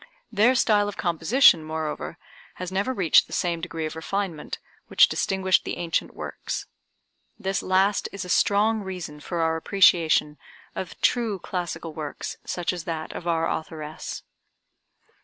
Their style of composition, moreover, has never reached the same degree of refinement which distinguished the ancient works. This last is a strong reason for our appreciation of true classical works such as that of our authoress.